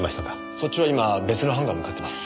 そっちは今別の班が向かってます。